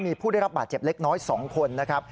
มีผู้ได้รับบาดเจ็บเล็กน้อย๒คนนะครับ